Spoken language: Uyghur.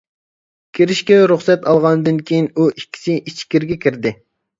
كىرىشكە رۇخسەت ئالغاندىن كېيىن ئۇ ئىككىسى ئىچكىرىگە كىردى.